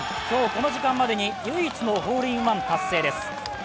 今日、この時間までに唯一のホールインワン達成です。